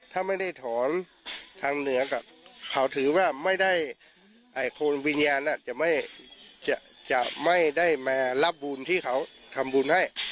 ถ้าไม่ได้ถอนทางเหนือกับเขาถือว่าไม่ได้คนวิญญาณจะไม่ได้มารับบุญที่เขาทำบุญให้